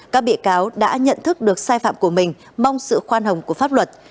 các bị cáo đã nhận thức được sai phạm của mình mong sự khoan hồng của pháp luật